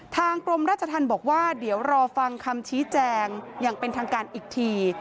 กรมราชธรรมบอกว่าเดี๋ยวรอฟังคำชี้แจงอย่างเป็นทางการอีกที